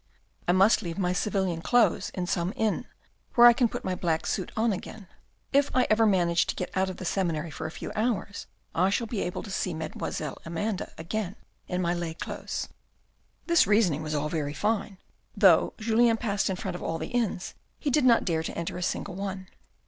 I must leave my civilian clothes in some inn, where I can put my black suit on again. If I ever manage to get out of the seminary for a few hours, I shall be able to see Mdlle. Amanda again in my lay clothes. This reasoning was all very fine. Though Julien passed in front of all the inns, he did not dare to enter a single one.